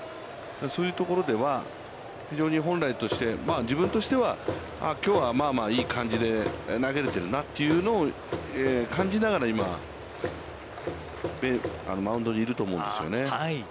そういうところでは、非常に本来として、自分としてはきょうは、まあまあいい感じで投げれてるなというのを感じながら今、マウンドにいると思うんですよね。